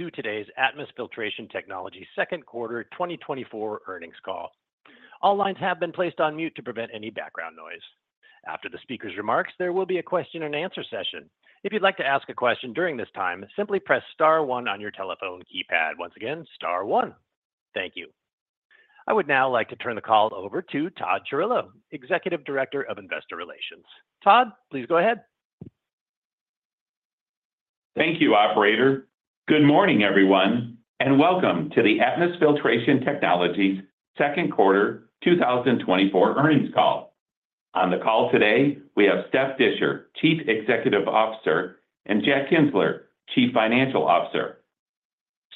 To today's Atmus Filtration Technologies Second Quarter 2024 earnings call. All lines have been placed on mute to prevent any background noise. After the speaker's remarks, there will be a question-and-answer session. If you'd like to ask a question during this time, simply press star one on your telephone keypad. Once again, star one. Thank you. I would now like to turn the call over to Todd Chirillo, Executive Director of Investor Relations. Todd, please go ahead. Thank you, Operator. Good morning, everyone, and welcome to the Atmus Filtration Technologies Second Quarter 2024 earnings call. On the call today, we have Steph Disher, Chief Executive Officer, and Jack Kienzler, Chief Financial Officer.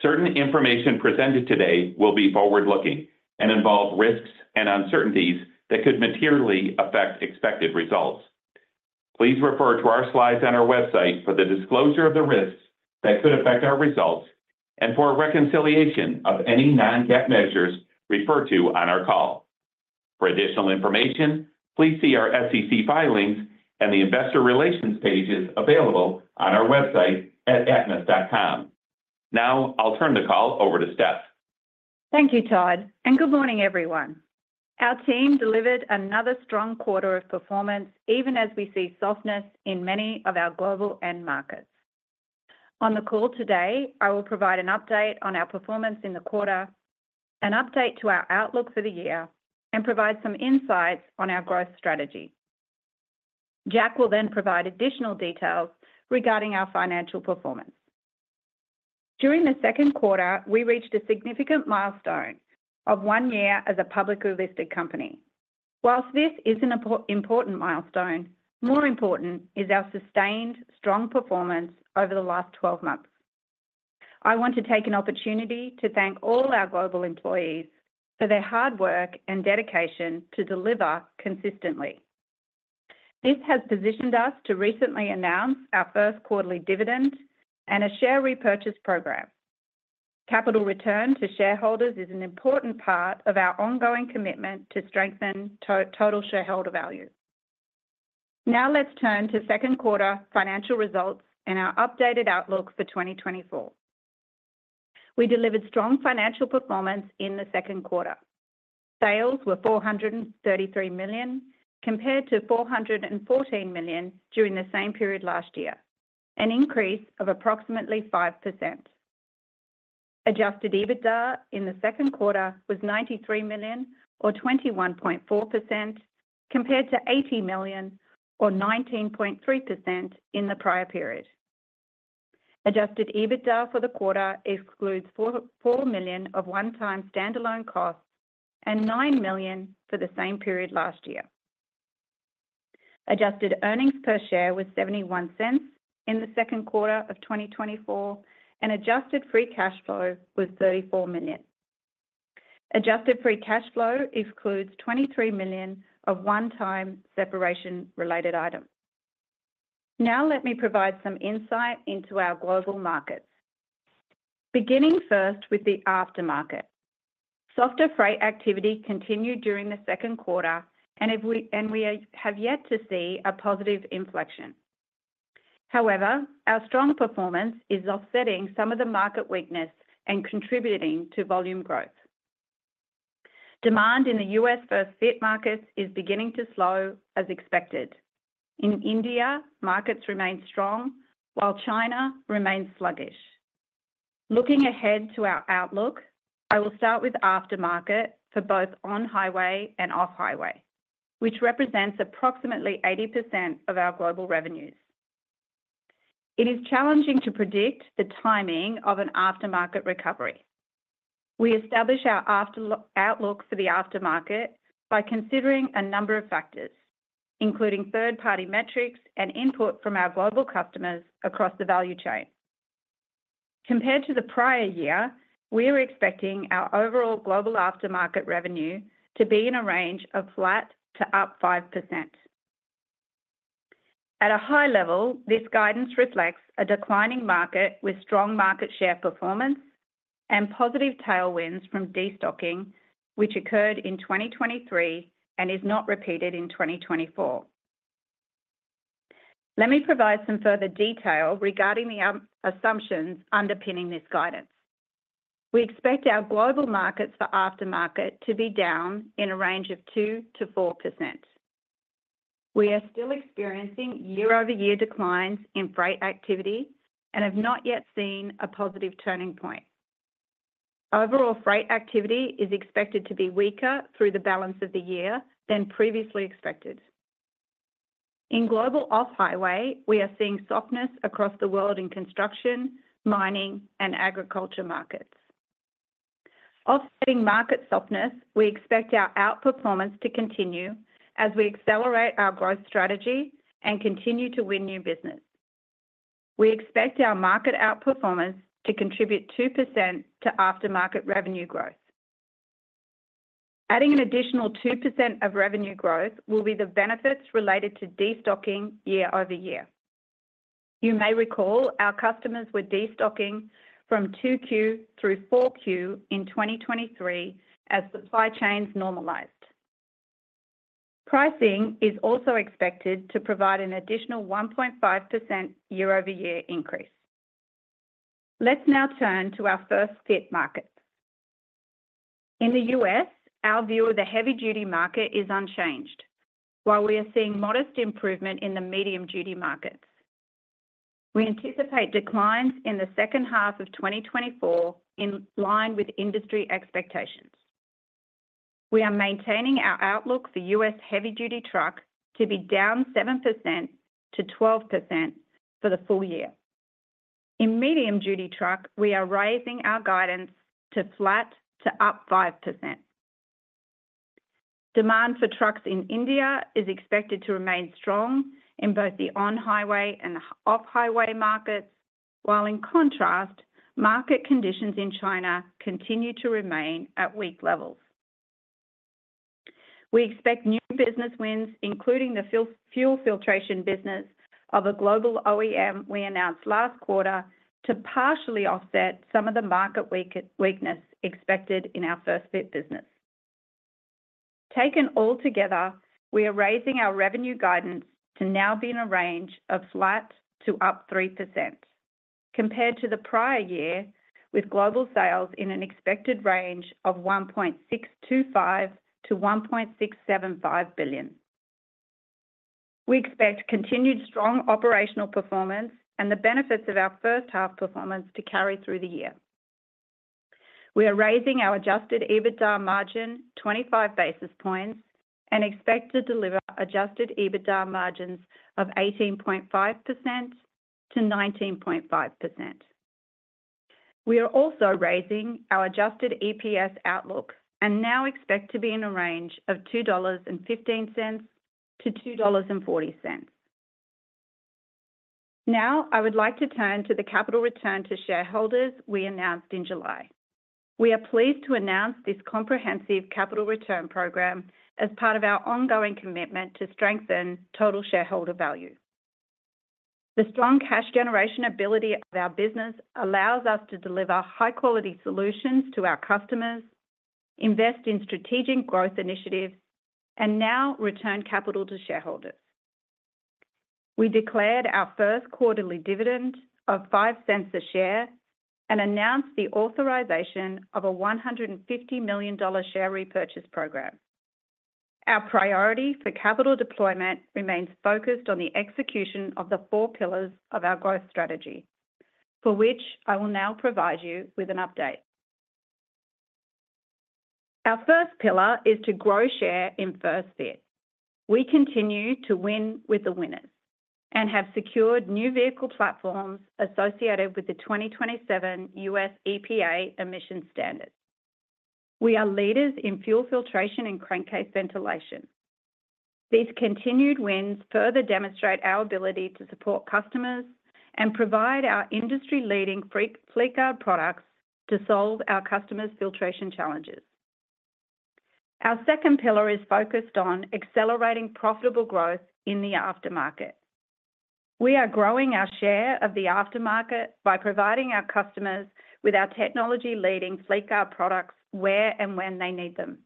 Certain information presented today will be forward-looking and involve risks and uncertainties that could materially affect expected results. Please refer to our slides on our website for the disclosure of the risks that could affect our results and for reconciliation of any non-GAAP measures referred to on our call. For additional information, please see our SEC filings and the investor relations pages available on our website at atmus.com. Now, I'll turn the call over to Steph. Thank you, Todd. Good morning, everyone. Our team delivered another strong quarter of performance, even as we see softness in many of our global end markets. On the call today, I will provide an update on our performance in the quarter, an update to our outlook for the year, and provide some insights on our growth strategy. Jack will then provide additional details regarding our financial performance. During the second quarter, we reached a significant milestone of one year as a publicly listed company. While this is an important milestone, more important is our sustained strong performance over the last 12 months. I want to take an opportunity to thank all our global employees for their hard work and dedication to deliver consistently. This has positioned us to recently announce our first quarterly dividend and a share repurchase program. Capital return to shareholders is an important part of our ongoing commitment to strengthen total shareholder value. Now, let's turn to second quarter financial results and our updated outlook for 2024. We delivered strong financial performance in the second quarter. Sales were $433 million, compared to $414 million during the same period last year, an increase of approximately 5%. Adjusted EBITDA in the second quarter was $93 million, or 21.4%, compared to $80 million, or 19.3% in the prior period. Adjusted EBITDA for the quarter excludes $4 million of one-time standalone costs and $9 million for the same period last year. Adjusted earnings per share was $0.71 in the second quarter of 2024, and Adjusted free cash flow was $34 million. Adjusted free cash flow excludes $23 million of one-time separation-related items. Now, let me provide some insight into our global markets. Beginning first with the aftermarket, softer freight activity continued during the second quarter, and we have yet to see a positive inflection. However, our strong performance is offsetting some of the market weakness and contributing to volume growth. Demand in the U.S. first-fit markets is beginning to slow, as expected. In India, markets remain strong, while China remains sluggish. Looking ahead to our outlook, I will start with aftermarket for both on-highway and off-highway, which represents approximately 80% of our global revenues. It is challenging to predict the timing of an aftermarket recovery. We establish our outlook for the aftermarket by considering a number of factors, including third-party metrics and input from our global customers across the value chain. Compared to the prior year, we are expecting our overall global aftermarket revenue to be in a range of flat to up 5%. At a high level, this guidance reflects a declining market with strong market share performance and positive tailwinds from destocking, which occurred in 2023 and is not repeated in 2024. Let me provide some further detail regarding the assumptions underpinning this guidance. We expect our global markets for aftermarket to be down in a range of 2%-4%. We are still experiencing year-over-year declines in freight activity and have not yet seen a positive turning point. Overall freight activity is expected to be weaker through the balance of the year than previously expected. In global off-highway, we are seeing softness across the world in construction, mining, and agriculture markets. Offsetting market softness, we expect our outperformance to continue as we accelerate our growth strategy and continue to win new business. We expect our market outperformance to contribute 2% to aftermarket revenue growth. Adding an additional 2% of revenue growth will be the benefits related to destocking year-over-year. You may recall our customers were destocking from 2Q through 4Q in 2023 as supply chains normalized. Pricing is also expected to provide an additional 1.5% year-over-year increase. Let's now turn to our first-fit markets. In the U.S., our view of the heavy-duty market is unchanged, while we are seeing modest improvement in the medium-duty markets. We anticipate declines in the second half of 2024 in line with industry expectations. We are maintaining our outlook for U.S. heavy-duty trucks to be down 7%-12% for the full year. In medium-duty trucks, we are raising our guidance to flat to up 5%. Demand for trucks in India is expected to remain strong in both the on-highway and off-highway markets, while in contrast, market conditions in China continue to remain at weak levels. We expect new business wins, including the fuel filtration business of a global OEM we announced last quarter, to partially offset some of the market weakness expected in our first-fit business. Taken all together, we are raising our revenue guidance to now be in a range of flat to up 3%, compared to the prior year with global sales in an expected range of $1.625 billion-$1.675 billion. We expect continued strong operational performance and the benefits of our first-half performance to carry through the year. We are raising our Adjusted EBITDA margin 25 basis points and expect to deliver Adjusted EBITDA margins of 18.5%-19.5%. We are also raising our Adjusted EPS outlook and now expect to be in a range of $2.15-$2.40. Now, I would like to turn to the capital return to shareholders we announced in July. We are pleased to announce this comprehensive capital return program as part of our ongoing commitment to strengthen total shareholder value. The strong cash generation ability of our business allows us to deliver high-quality solutions to our customers, invest in strategic growth initiatives, and now return capital to shareholders. We declared our first quarterly dividend of $0.05 a share and announced the authorization of a $150 million share repurchase program. Our priority for capital deployment remains focused on the execution of the four pillars of our growth strategy, for which I will now provide you with an update. Our first pillar is to grow share in first-fit. We continue to win with the winners and have secured new vehicle platforms associated with the 2027 U.S. EPA emission standards. We are leaders in fuel filtration and crankcase ventilation. These continued wins further demonstrate our ability to support customers and provide our industry-leading Fleetguard products to solve our customers' filtration challenges. Our second pillar is focused on accelerating profitable growth in the aftermarket. We are growing our share of the aftermarket by providing our customers with our technology-leading Fleetguard products where and when they need them.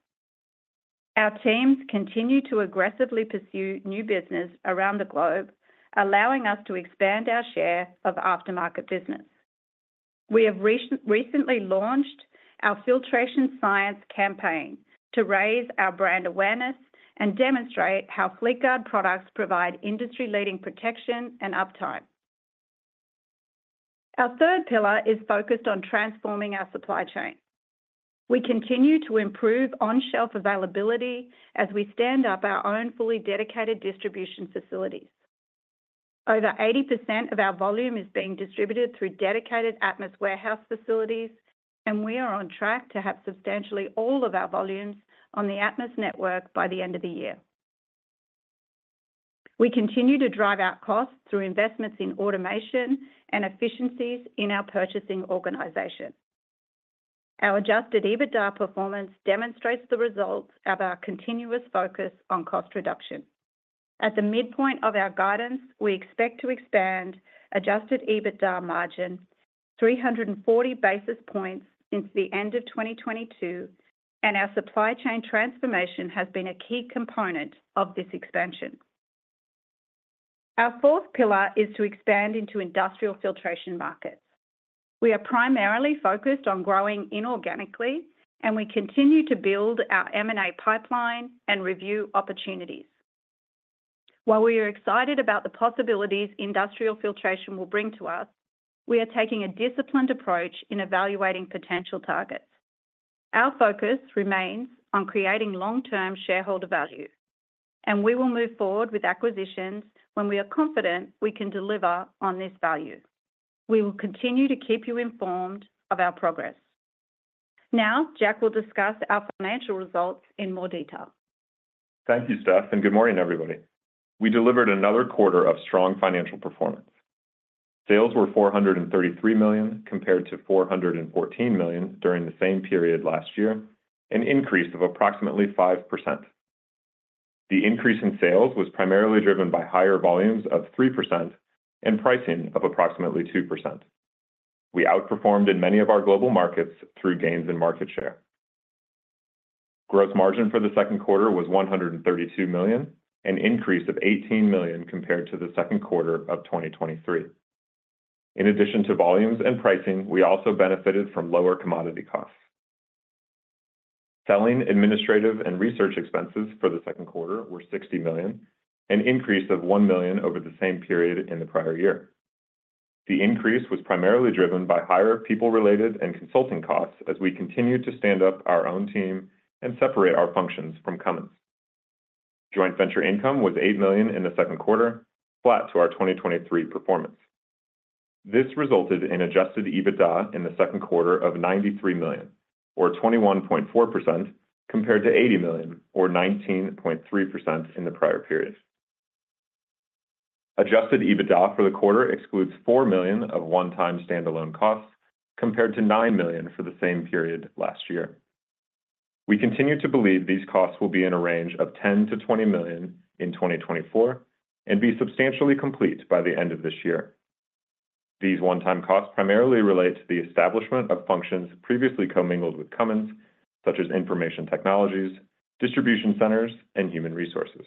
Our teams continue to aggressively pursue new business around the globe, allowing us to expand our share of aftermarket business. We have recently launched our filtration science campaign to raise our brand awareness and demonstrate how Fleetguard products provide industry-leading protection and uptime. Our third pillar is focused on transforming our supply chain. We continue to improve on-shelf availability as we stand up our own fully dedicated distribution facilities. Over 80% of our volume is being distributed through dedicated Atmus warehouse facilities, and we are on track to have substantially all of our volumes on the Atmus network by the end of the year. We continue to drive out costs through investments in automation and efficiencies in our purchasing organization. Our Adjusted EBITDA performance demonstrates the results of our continuous focus on cost reduction. At the midpoint of our guidance, we expect to expand Adjusted EBITDA margin 340 basis points since the end of 2022, and our supply chain transformation has been a key component of this expansion. Our fourth pillar is to expand into industrial filtration markets. We are primarily focused on growing inorganically, and we continue to build our M&A pipeline and review opportunities. While we are excited about the possibilities industrial filtration will bring to us, we are taking a disciplined approach in evaluating potential targets. Our focus remains on creating long-term shareholder value, and we will move forward with acquisitions when we are confident we can deliver on this value. We will continue to keep you informed of our progress. Now, Jack will discuss our financial results in more detail. Thank you, Steph, and good morning, everybody. We delivered another quarter of strong financial performance. Sales were $433 million compared to $414 million during the same period last year, an increase of approximately 5%. The increase in sales was primarily driven by higher volumes of 3% and pricing of approximately 2%. We outperformed in many of our global markets through gains in market share. Gross margin for the second quarter was $132 million, an increase of $18 million compared to the second quarter of 2023. In addition to volumes and pricing, we also benefited from lower commodity costs. Selling, administrative, and research expenses for the second quarter were $60 million, an increase of $1 million over the same period in the prior year. The increase was primarily driven by higher people-related and consulting costs as we continued to stand up our own team and separate our functions from Cummins. Joint venture income was $8 million in the second quarter, flat to our 2023 performance. This resulted in Adjusted EBITDA in the second quarter of $93 million, or 21.4%, compared to $80 million, or 19.3% in the prior period. Adjusted EBITDA for the quarter excludes $4 million of one-time standalone costs, compared to $9 million for the same period last year. We continue to believe these costs will be in a range of $10 million-$20 million in 2024 and be substantially complete by the end of this year. These one-time costs primarily relate to the establishment of functions previously commingled with Cummins, such as information technologies, distribution centers, and human resources.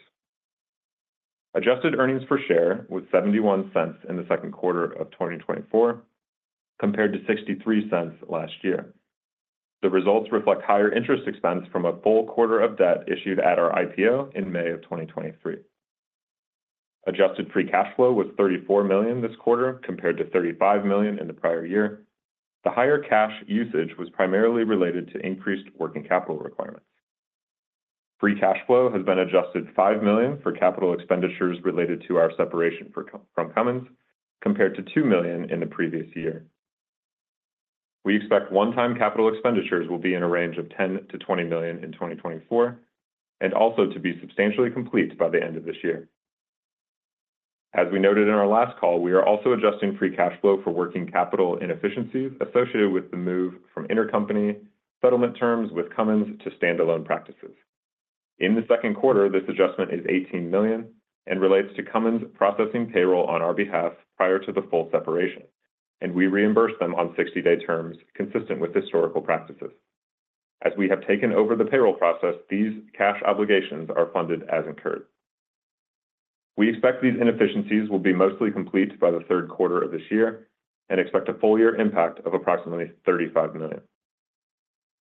Adjusted earnings per share was $0.71 in the second quarter of 2024, compared to $0.63 last year. The results reflect higher interest expense from a full quarter of debt issued at our IPO in May of 2023. Adjusted Free Cash Flow was $34 million this quarter, compared to $35 million in the prior year. The higher cash usage was primarily related to increased working capital requirements. Free Cash Flow has been adjusted $5 million for capital expenditures related to our separation from Cummins, compared to $2 million in the previous year. We expect one-time capital expenditures will be in a range of $10 million-$20 million in 2024 and also to be substantially complete by the end of this year. As we noted in our last call, we are also adjusting Free Cash Flow for working capital inefficiencies associated with the move from intercompany settlement terms with Cummins to standalone practices. In the second quarter, this adjustment is $18 million and relates to Cummins processing payroll on our behalf prior to the full separation, and we reimburse them on 60-day terms consistent with historical practices. As we have taken over the payroll process, these cash obligations are funded as incurred. We expect these inefficiencies will be mostly complete by the third quarter of this year and expect a full-year impact of approximately $35 million.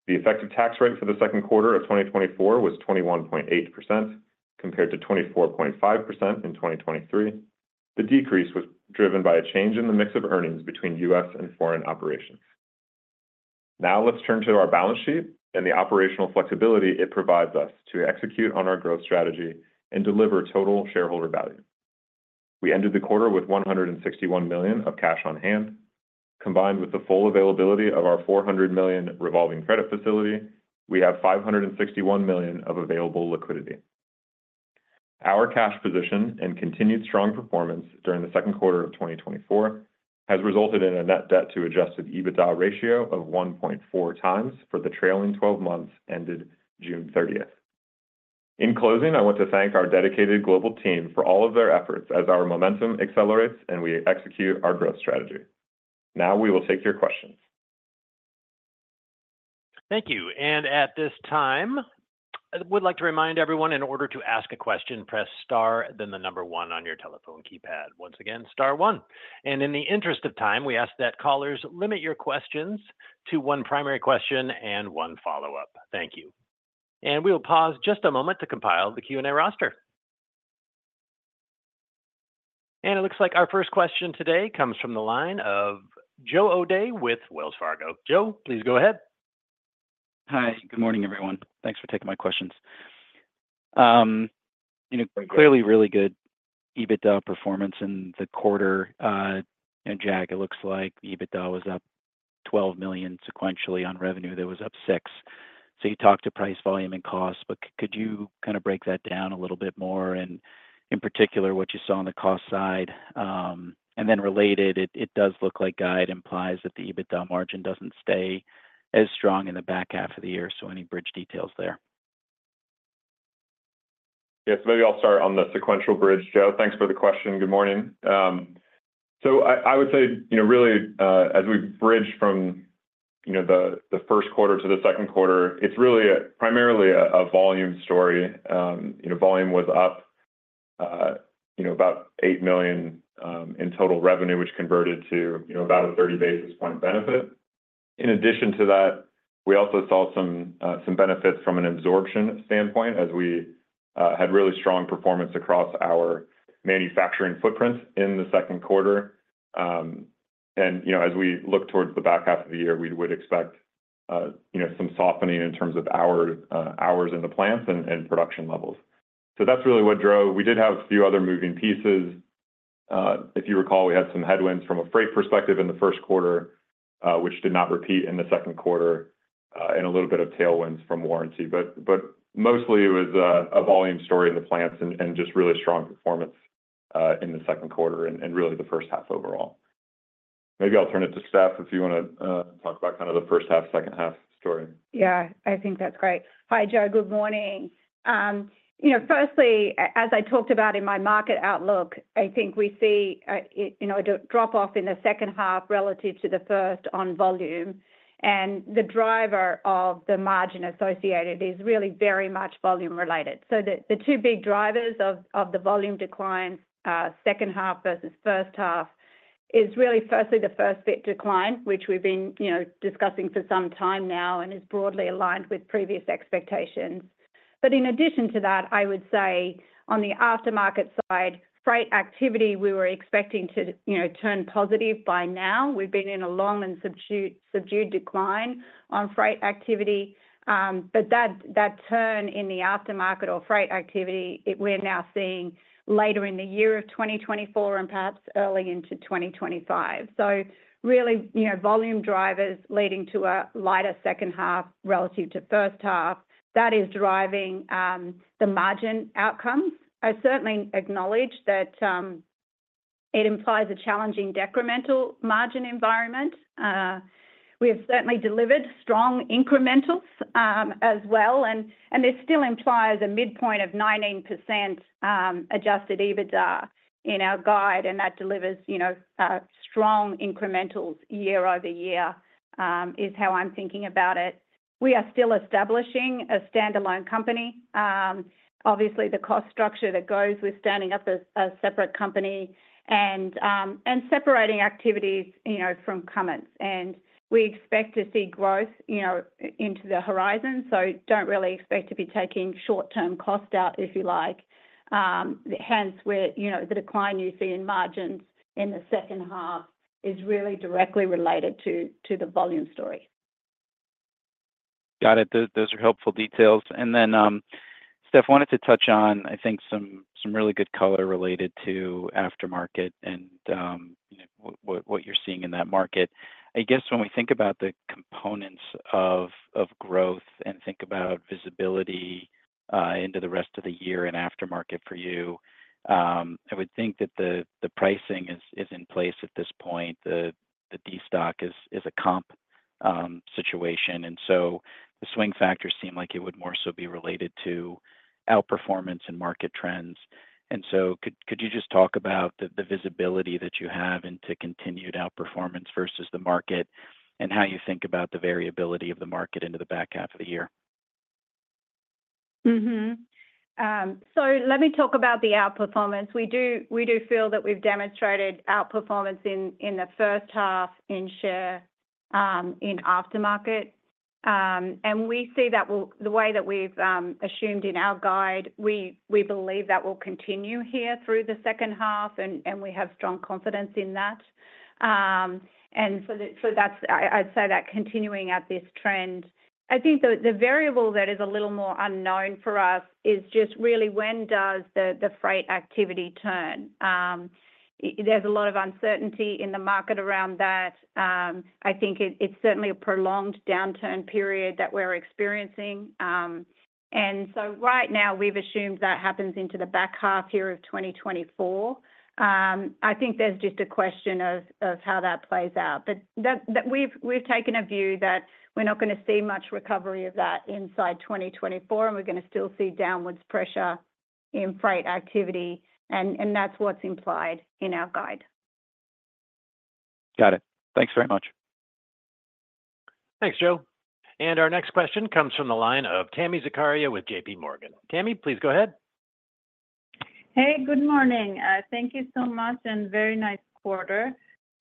The effective tax rate for the second quarter of 2024 was 21.8%, compared to 24.5% in 2023. The decrease was driven by a change in the mix of earnings between U.S. and foreign operations. Now, let's turn to our balance sheet and the operational flexibility it provides us to execute on our growth strategy and deliver total shareholder value. We ended the quarter with $161 million of cash on hand. Combined with the full availability of our $400 million revolving credit facility, we have $561 million of available liquidity. Our cash position and continued strong performance during the second quarter of 2024 has resulted in a net debt-to-Adjusted EBITDA ratio of 1.4x for the trailing 12 months ended June 30th. In closing, I want to thank our dedicated global team for all of their efforts as our momentum accelerates and we execute our growth strategy. Now, we will take your questions. Thank you. At this time, I would like to remind everyone in order to ask a question, press Star, then the number one on your telephone keypad. Once again, Star one. In the interest of time, we ask that callers limit your questions to one primary question and one follow-up. Thank you. We will pause just a moment to compile the Q&A roster. It looks like our first question today comes from the line of Joe O'Dea with Wells Fargo. Joe, please go ahead. Hi, good morning, everyone. Thanks for taking my questions. Clearly, really good EBITDA performance in the quarter. Jack, it looks like EBITDA was up $12 million sequentially on revenue. That was up 6%. So you talked to price, volume, and cost, but could you kind of break that down a little bit more? And in particular, what you saw on the cost side? And then related, it does look like guide implies that the EBITDA margin doesn't stay as strong in the back half of the year. So any bridge details there? Yes, maybe I'll start on the sequential bridge. Joe, thanks for the question. Good morning. So I would say really, as we bridge from the first quarter to the second quarter, it's really primarily a volume story. Volume was up about $8 million in total revenue, which converted to about a 30 basis point benefit. In addition to that, we also saw some benefits from an absorption standpoint as we had really strong performance across our manufacturing footprint in the second quarter. And as we look towards the back half of the year, we would expect some softening in terms of our hours in the plants and production levels. So that's really what drove. We did have a few other moving pieces. If you recall, we had some headwinds from a freight perspective in the first quarter, which did not repeat in the second quarter, and a little bit of tailwinds from warranty. But mostly, it was a volume story in the plants and just really strong performance in the second quarter and really the first half overall. Maybe I'll turn it to Steph if you want to talk about kind of the first half, second half story. Yeah, I think that's great. Hi, Joe. Good morning. Firstly, as I talked about in my market outlook, I think we see a drop-off in the second half relative to the first on volume. And the driver of the margin associated is really very much volume-related. So the two big drivers of the volume decline second half versus first half is really firstly the first-fit decline, which we've been discussing for some time now and is broadly aligned with previous expectations. But in addition to that, I would say on the aftermarket side, freight activity we were expecting to turn positive by now. We've been in a long and subdued decline on freight activity. But that turn in the aftermarket or freight activity, we're now seeing later in the year of 2024 and perhaps early into 2025. So really, volume drivers leading to a lighter second half relative to first half, that is driving the margin outcomes. I certainly acknowledge that it implies a challenging decremental margin environment. We have certainly delivered strong incrementals as well. And this still implies a midpoint of 19% Adjusted EBITDA in our guide. And that delivers strong incrementals year-over-year is how I'm thinking about it. We are still establishing a standalone company. Obviously, the cost structure that goes with standing up a separate company and separating activities from Cummins. And we expect to see growth into the horizon. So don't really expect to be taking short-term cost out, if you like. Hence, the decline you see in margins in the second half is really directly related to the volume story. Got it. Those are helpful details. And then, Steph, I wanted to touch on, I think, some really good color related to aftermarket and what you're seeing in that market. I guess when we think about the components of growth and think about visibility into the rest of the year and aftermarket for you, I would think that the pricing is in place at this point. The destocking is a comp situation. And so the swing factors seem like it would more so be related to outperformance and market trends. And so could you just talk about the visibility that you have into continued outperformance versus the market and how you think about the variability of the market into the back half of the year? So let me talk about the outperformance. We do feel that we've demonstrated outperformance in the first half in share in aftermarket. And we see that the way that we've assumed in our guide, we believe that will continue here through the second half, and we have strong confidence in that. And so I'd say that continuing at this trend, I think the variable that is a little more unknown for us is just really when does the freight activity turn. There's a lot of uncertainty in the market around that. I think it's certainly a prolonged downturn period that we're experiencing. And so right now, we've assumed that happens into the back half here of 2024. I think there's just a question of how that plays out. We've taken a view that we're not going to see much recovery of that inside 2024, and we're going to still see downwards pressure in freight activity. That's what's implied in our guide. Got it. Thanks very much. Thanks, Joe. Our next question comes from the line of Tami Zakaria with J.P. Morgan. Tami, please go ahead. Hey, good morning. Thank you so much and very nice quarter.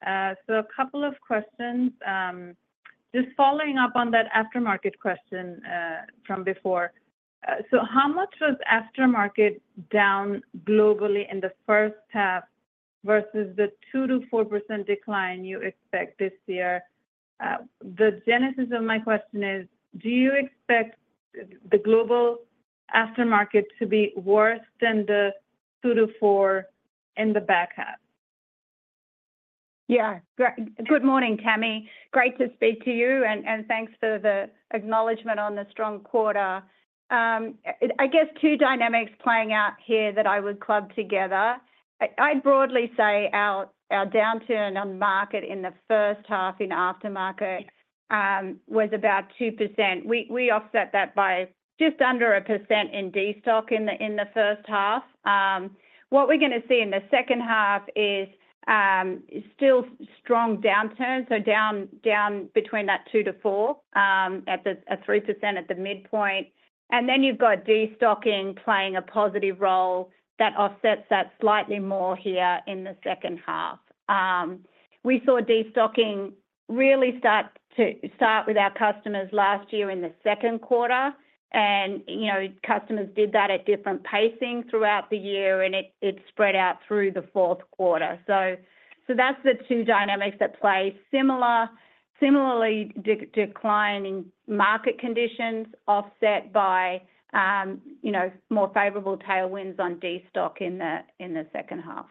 So a couple of questions. Just following up on that aftermarket question from before. So how much was aftermarket down globally in the first half versus the 2%-4% decline you expect this year? The genesis of my question is, do you expect the global aftermarket to be worse than the 2%-4% in the back half? Yeah. Good morning, Tami. Great to speak to you. And thanks for the acknowledgment on the strong quarter. I guess two dynamics playing out here that I would club together. I'd broadly say our downturn on market in the first half in aftermarket was about 2%. We offset that by just under 1% in destocking in the first half. What we're going to see in the second half is still strong downturns, so down between 2%-4% at a 3% midpoint. And then you've got destocking playing a positive role that offsets that slightly more here in the second half. We saw destocking really start with our customers last year in the second quarter. And customers did that at different pacing throughout the year, and it spread out through the fourth quarter. That's the two dynamics that play similarly declining market conditions offset by more favorable tailwinds on destocking in the second half.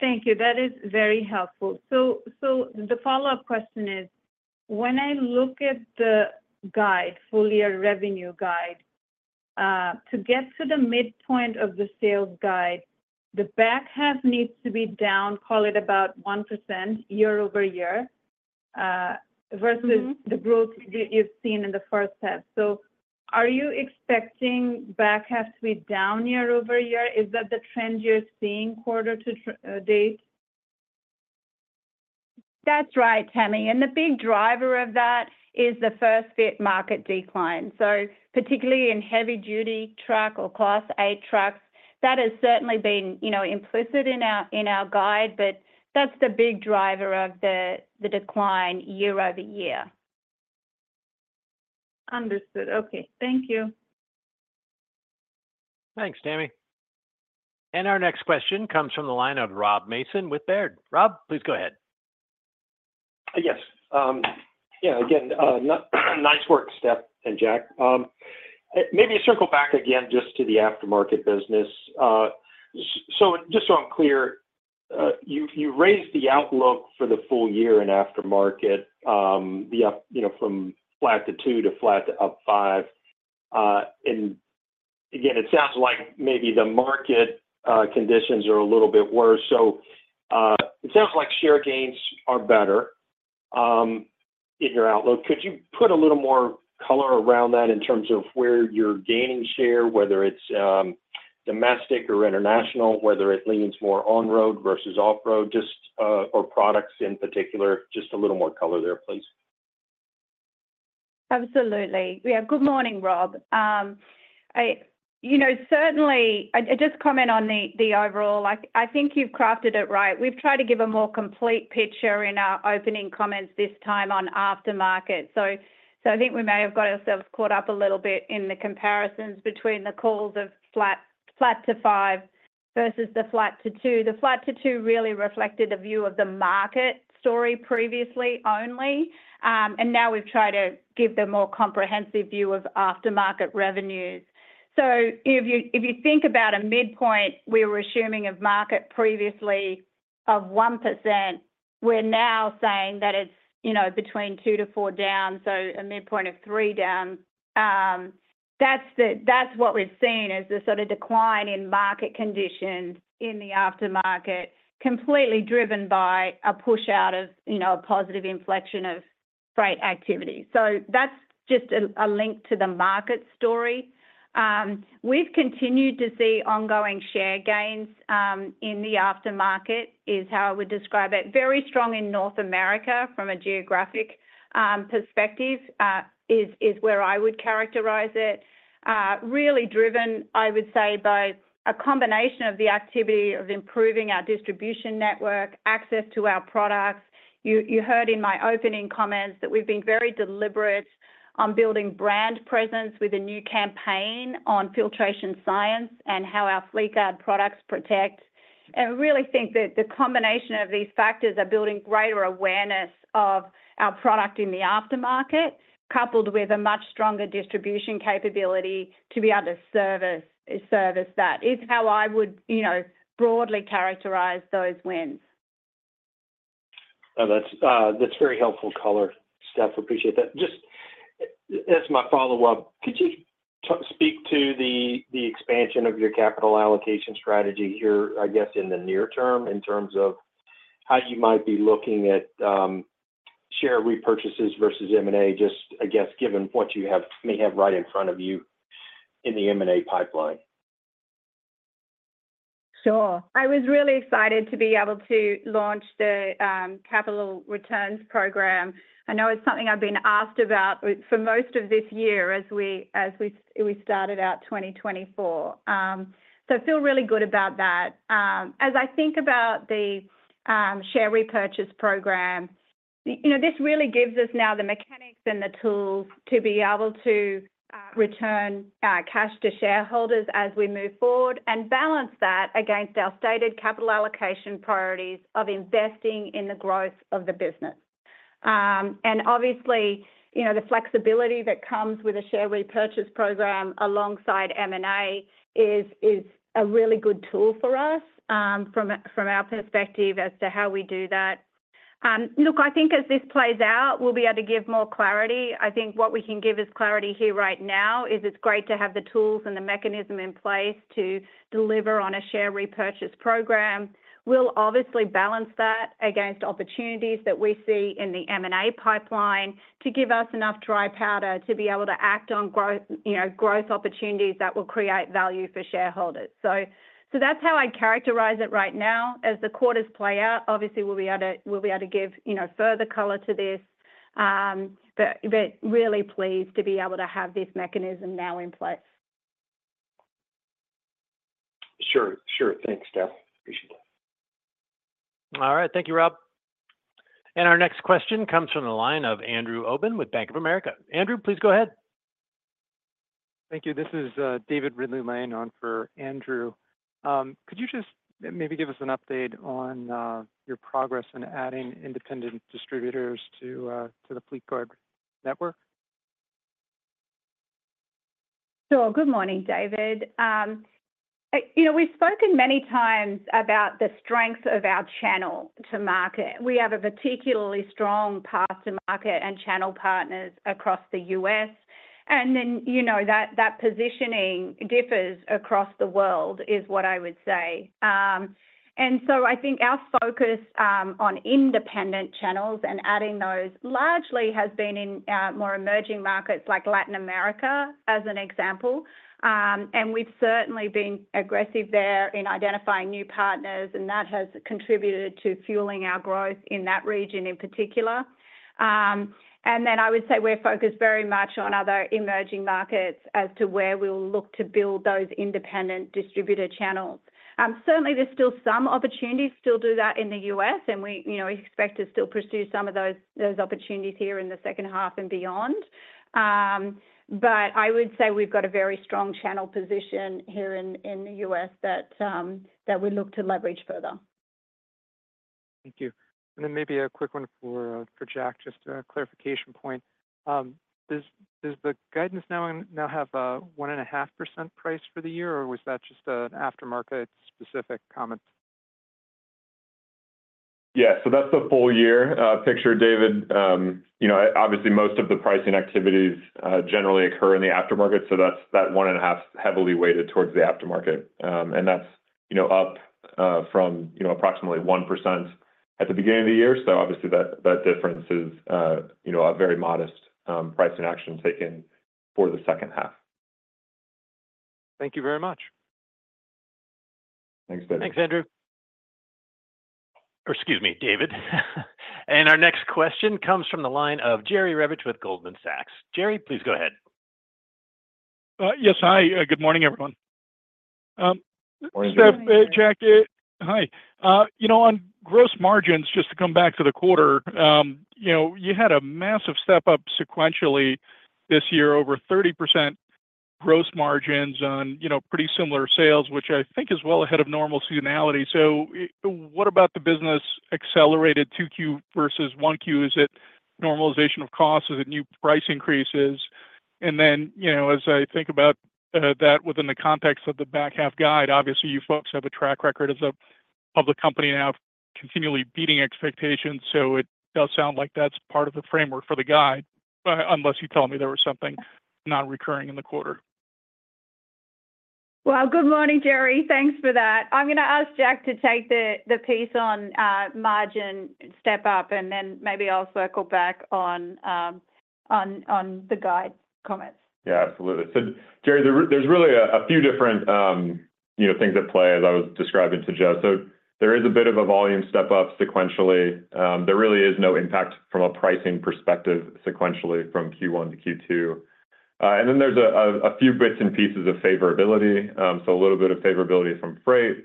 Thank you. That is very helpful. So the follow-up question is, when I look at the guide, full-year revenue guide, to get to the midpoint of the sales guide, the back half needs to be down, call it about 1% year-over-year versus the growth you've seen in the first half. So are you expecting back half to be down year-over-year? Is that the trend you're seeing quarter-to-date? That's right, Tami. The big driver of that is the first-fit market decline. Particularly in heavy-duty truck or Class 8 trucks, that has certainly been implicit in our guide, but that's the big driver of the decline year-over-year. Understood. Okay. Thank you. Thanks, Tami. Our next question comes from the line of Rob Mason with Baird. Rob, please go ahead. Yes. Yeah, again, nice work, Steph and Jack. Maybe circle back again just to the aftermarket business. So just so I'm clear, you raised the outlook for the full year in aftermarket from flat to 2% to flat to up 5%. And again, it sounds like maybe the market conditions are a little bit worse. So it sounds like share gains are better in your outlook. Could you put a little more color around that in terms of where you're gaining share, whether it's domestic or international, whether it leans more on-road versus off-road or products in particular? Just a little more color there, please. Absolutely. Yeah, good morning, Rob. Certainly, I just comment on the overall. I think you've crafted it right. We've tried to give a more complete picture in our opening comments this time on aftermarket. So I think we may have got ourselves caught up a little bit in the comparisons between the calls of flat to 5% versus the flat to 2%. The flat to 2% really reflected the view of the market story previously only. And now we've tried to give them a more comprehensive view of aftermarket revenues. So if you think about a midpoint we were assuming of market previously of 1%, we're now saying that it's between 2%-4% down, so a midpoint of 3% down. That's what we've seen as the sort of decline in market conditions in the aftermarket, completely driven by a push out of a positive inflection of freight activity. So that's just a link to the market story. We've continued to see ongoing share gains in the aftermarket, is how I would describe it. Very strong in North America from a geographic perspective is where I would characterize it. Really driven, I would say, by a combination of the activity of improving our distribution network, access to our products. You heard in my opening comments that we've been very deliberate on building brand presence with a new campaign on filtration science and how our Fleetguard products protect. And I really think that the combination of these factors are building greater awareness of our product in the aftermarket, coupled with a much stronger distribution capability to be able to service that. It's how I would broadly characterize those wins. That's very helpful color. Steph, appreciate that. Just as my follow-up, could you speak to the expansion of your capital allocation strategy here, I guess, in the near term in terms of how you might be looking at share repurchases versus M&A, just, I guess, given what you may have right in front of you in the M&A pipeline? Sure. I was really excited to be able to launch the capital returns program. I know it's something I've been asked about for most of this year as we started out 2024. So I feel really good about that. As I think about the share repurchase program, this really gives us now the mechanics and the tools to be able to return cash to shareholders as we move forward and balance that against our stated capital allocation priorities of investing in the growth of the business. And obviously, the flexibility that comes with a share repurchase program alongside M&A is a really good tool for us from our perspective as to how we do that. Look, I think as this plays out, we'll be able to give more clarity. I think what we can give as clarity here right now is it's great to have the tools and the mechanism in place to deliver on a share repurchase program. We'll obviously balance that against opportunities that we see in the M&A pipeline to give us enough dry powder to be able to act on growth opportunities that will create value for shareholders. So that's how I'd characterize it right now. As the quarters play out, obviously, we'll be able to give further color to this. But really pleased to be able to have this mechanism now in place. Sure. Sure. Thanks, Steph. Appreciate that. All right. Thank you, Rob. Our next question comes from the line of Andrew Obin with Bank of America. Andrew, please go ahead. Thank you. This is David Ridley-Lane on for Andrew. Could you just maybe give us an update on your progress in adding independent distributors to the Fleetguard network? Sure. Good morning, David. We've spoken many times about the strength of our channel to market. We have a particularly strong path to market and channel partners across the U.S. And then that positioning differs across the world is what I would say. And so I think our focus on independent channels and adding those largely has been in more emerging markets like Latin America as an example. And we've certainly been aggressive there in identifying new partners, and that has contributed to fueling our growth in that region in particular. And then I would say we're focused very much on other emerging markets as to where we'll look to build those independent distributor channels. Certainly, there's still some opportunities to still do that in the U.S., and we expect to still pursue some of those opportunities here in the second half and beyond. But I would say we've got a very strong channel position here in the U.S. that we look to leverage further. Thank you. Then maybe a quick one for Jack, just a clarification point. Does the guidance now have a 1.5% price for the year, or was that just an aftermarket-specific comment? Yeah. So that's the full-year picture, David. Obviously, most of the pricing activities generally occur in the aftermarket, so that 1.5% is heavily weighted towards the aftermarket. And that's up from approximately 1% at the beginning of the year. So obviously, that difference is a very modest pricing action taken for the second half. Thank you very much. Thanks, David. Thanks, Andrew. Excuse me, David. Our next question comes from the line of Jerry Revich with Goldman Sachs. Jerry, please go ahead. Yes, hi. Good morning, everyone. Morning, Jerry. Steph, Jack, hi. On gross margins, just to come back to the quarter, you had a massive step up sequentially this year, over 30% gross margins on pretty similar sales, which I think is well ahead of normal seasonality. So what about the business accelerated 2Q versus 1Q? Is it normalization of costs? Is it new price increases? And then as I think about that within the context of the back half guide, obviously, you folks have a track record as a public company now continually beating expectations. So it does sound like that's part of the framework for the guide, unless you tell me there was something non-recurring in the quarter. Well, good morning, Jerry. Thanks for that. I'm going to ask Jack to take the piece on margin step up, and then maybe I'll circle back on the guide comments. Yeah, absolutely. So Jerry, there's really a few different things at play as I was describing to Joe. So there is a bit of a volume step up sequentially. There really is no impact from a pricing perspective sequentially from Q1 to Q2. And then there's a few bits and pieces of favorability. So a little bit of favorability from freight,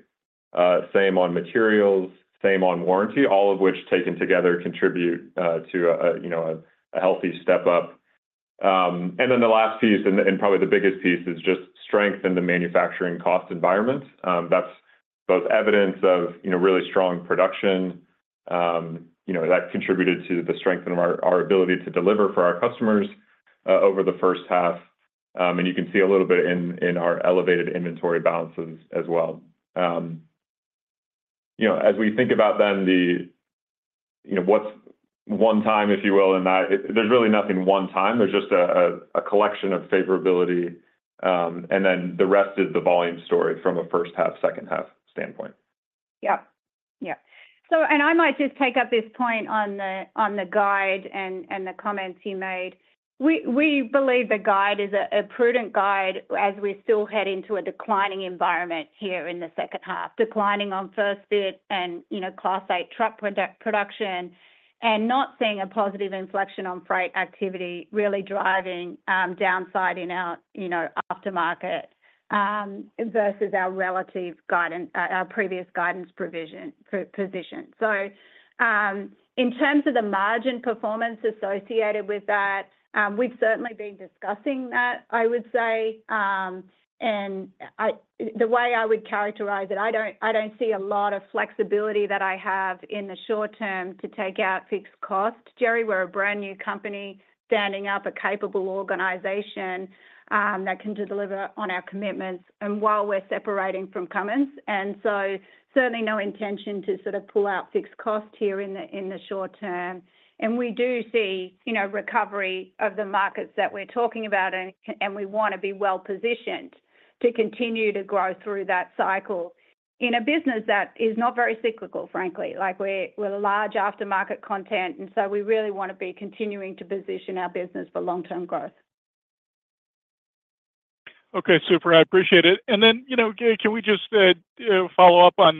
same on materials, same on warranty, all of which taken together contribute to a healthy step up. And then the last piece, and probably the biggest piece, is just strength in the manufacturing cost environment. That's both evidence of really strong production that contributed to the strength of our ability to deliver for our customers over the first half. And you can see a little bit in our elevated inventory balances as well. As we think about, then, the one time, if you will, in that, there's really nothing one time. There's just a collection of favorability. And then the rest is the volume story from a first half, second half standpoint. Yep. Yep. I might just take up this point on the guide and the comments you made. We believe the guide is a prudent guide as we still head into a declining environment here in the second half, declining on first-fit and Class 8 truck production and not seeing a positive inflection on freight activity really driving downside in our aftermarket versus our previous guidance position. So in terms of the margin performance associated with that, we've certainly been discussing that, I would say. The way I would characterize it, I don't see a lot of flexibility that I have in the short term to take out fixed cost. Jerry, we're a brand new company standing up, a capable organization that can deliver on our commitments while we're separating from Cummins. So certainly no intention to sort of pull out fixed cost here in the short term. And we do see recovery of the markets that we're talking about, and we want to be well-positioned to continue to grow through that cycle in a business that is not very cyclical, frankly. We're a large aftermarket content, and so we really want to be continuing to position our business for long-term growth. Okay. Super. I appreciate it. And then can we just follow up on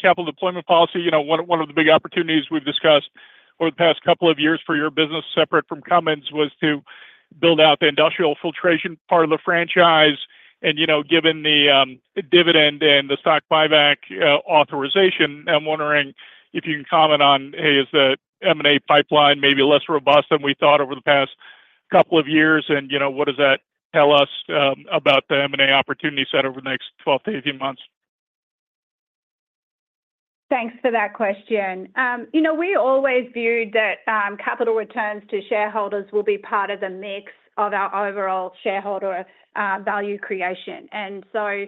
capital deployment policy? One of the big opportunities we've discussed over the past couple of years for your business, separate from Cummins, was to build out the industrial filtration part of the franchise. And given the dividend and the stock buyback authorization, I'm wondering if you can comment on, hey, is the M&A pipeline maybe less robust than we thought over the past couple of years? And what does that tell us about the M&A opportunity set over the next 12-18 months? Thanks for that question. We always viewed that capital returns to shareholders will be part of the mix of our overall shareholder value creation. And so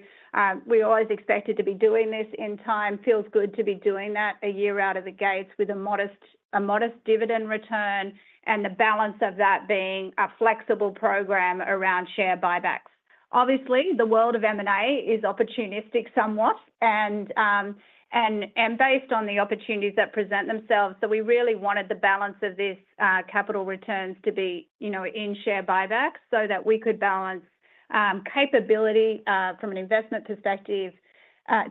we always expected to be doing this in time. Feels good to be doing that a year out of the gates with a modest dividend return and the balance of that being a flexible program around share buybacks. Obviously, the world of M&A is opportunistic somewhat and based on the opportunities that present themselves. So we really wanted the balance of these capital returns to be in share buybacks so that we could balance capability from an investment perspective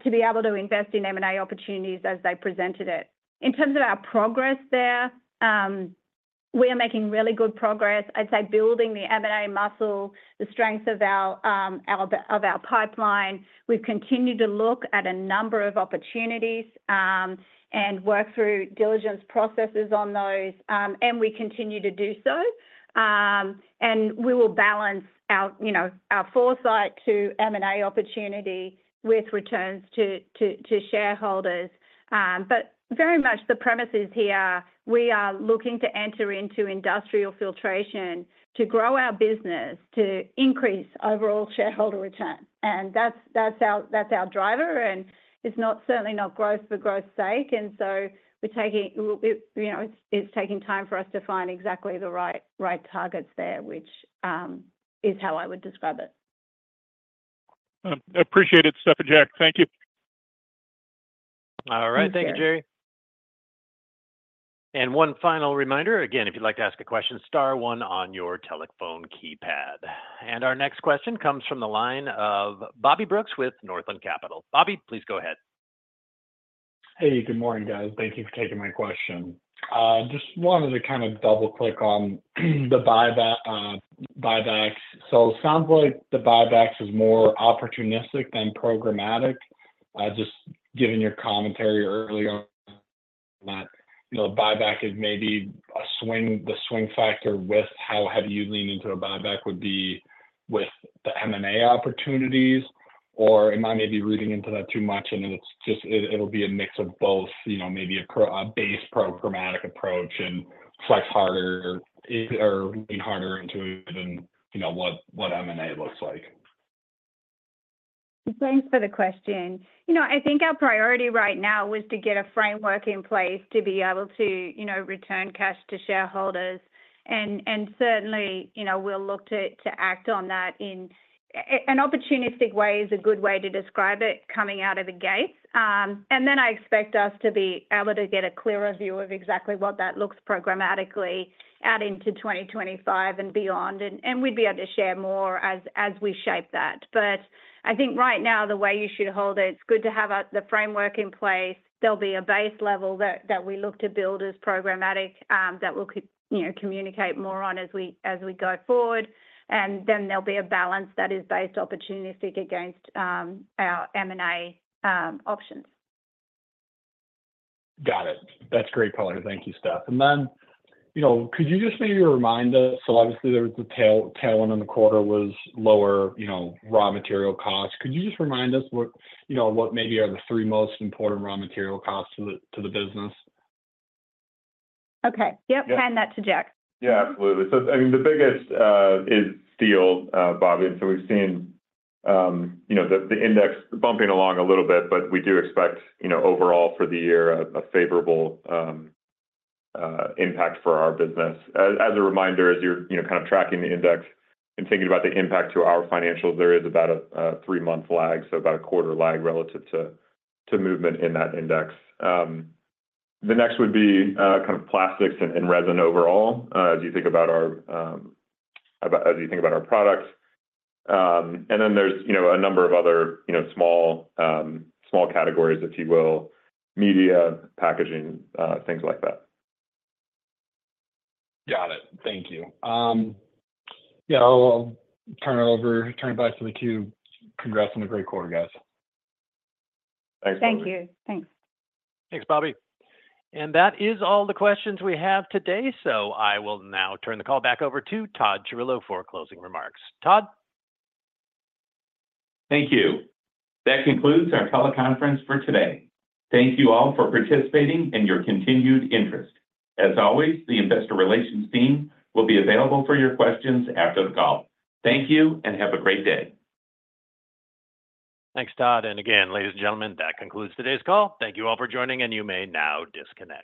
to be able to invest in M&A opportunities as they presented it. In terms of our progress there, we are making really good progress. I'd say building the M&A muscle, the strength of our pipeline. We've continued to look at a number of opportunities and work through diligence processes on those. We continue to do so. We will balance our foresight to M&A opportunity with returns to shareholders. But very much the premises here, we are looking to enter into industrial filtration to grow our business, to increase overall shareholder return. That's our driver. It's certainly not growth for growth's sake. So it's taking time for us to find exactly the right targets there, which is how I would describe it. Appreciate it, Steph and Jack. Thank you. All right. Thank you, Jerry. And one final reminder, again, if you'd like to ask a question, star one on your telephone keypad. And our next question comes from the line of Bobby Brooks with Northland Capital. Bobby, please go ahead. Hey, good morning, guys. Thank you for taking my question. Just wanted to kind of double-click on the buybacks. So it sounds like the buybacks is more opportunistic than programmatic. Just given your commentary earlier on that, the buyback is maybe the swing factor with how heavy you lean into a buyback would be with the M&A opportunities. Or am I maybe reading into that too much? And it'll be a mix of both, maybe a base programmatic approach and flex harder or lean harder into it than what M&A looks like. Thanks for the question. I think our priority right now was to get a framework in place to be able to return cash to shareholders. And certainly, we'll look to act on that in an opportunistic way is a good way to describe it coming out of the gates. And then I expect us to be able to get a clearer view of exactly what that looks programmatically out into 2025 and beyond. And we'd be able to share more as we shape that. But I think right now, the way you should hold it, it's good to have the framework in place. There'll be a base level that we look to build as programmatic that we'll communicate more on as we go forward. And then there'll be a balance that is based opportunistic against our M&A options. Got it. That's great, Paula. Thank you, Steph. And then could you just maybe remind us? So obviously, the tail end of the quarter was lower raw material costs. Could you just remind us what maybe are the three most important raw material costs to the business? Okay. Yep. Hand that to Jack. Yeah, absolutely. So I mean, the biggest is steel, Bobby. And so we've seen the index bumping along a little bit, but we do expect overall for the year, a favorable impact for our business. As a reminder, as you're kind of tracking the index and thinking about the impact to our financials, there is about a three-month lag, so about a quarter lag relative to movement in that index. The next would be kind of plastics and resin overall as you think about our as you think about our products. And then there's a number of other small categories, if you will, media, packaging, things like that. Got it. Thank you. Yeah. I'll turn it over, turn it back to the you. Congrats on a great quarter, guys. Thanks, Bobby. Thank you. Thanks. Thanks, Bobby. That is all the questions we have today. I will now turn the call back over to Todd Chirillo for closing remarks. Todd? Thank you. That concludes our teleconference for today. Thank you all for participating and your continued interest. As always, the investor relations team will be available for your questions after the call. Thank you and have a great day. Thanks, Todd. Again, ladies and gentlemen, that concludes today's call. Thank you all for joining, and you may now disconnect.